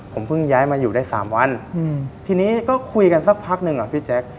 ผมเพิ่งย้ายมาอยู่ได้๓วันทีนี้ก็คุยกันสักพักหนึ่งอ่ะพี่แจ๊ค